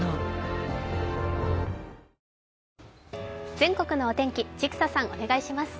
全国のお天気、千種さん、お願いします。